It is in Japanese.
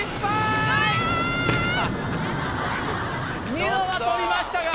ニノは取りましたが。